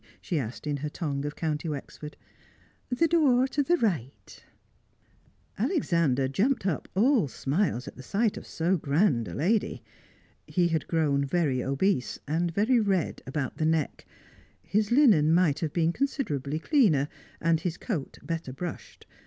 she asked, in her tongue of County Wexford. "The door to the right." Alexander jumped up, all smiles at the sight of so grand a lady. He had grown very obese, and very red about the neck; his linen might have been considerably cleaner, and his coat better brushed.